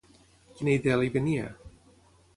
Quina idea li venia?